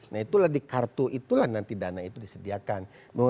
nah itulah di kartu itulah nanti dana itu disediakan